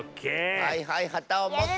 はいはいはたをもって。